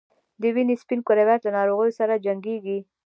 د وینې سپین کرویات له ناروغیو سره جنګیږي